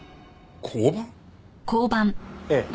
ええ。